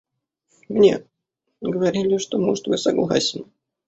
Мне говорили, что муж твой согласен.